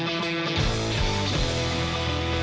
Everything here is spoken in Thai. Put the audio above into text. สวัสดีครับ